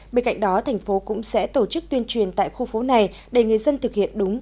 bên cạnh đó thành phố cũng sẽ tổ chức tuyên truyền tại khu phố này để người dân thực hiện đúng